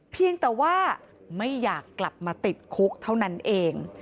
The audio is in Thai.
เพียงแต่ว่าไม่อยากกลับมาติดคุกเท่านั้นเอง